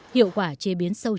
hiệu quả chế biến sâu chắc